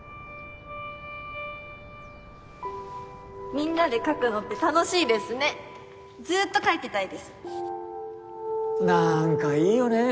みんなで描くのって楽しいですねずっと描いてたいですなんかいいよね